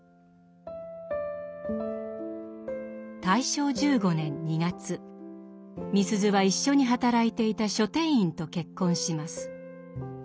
大正１５年２月みすゞは一緒に働いていた書店員と結婚します。